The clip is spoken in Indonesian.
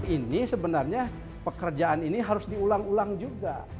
ini sebenarnya pekerjaan ini harus diulang ulang juga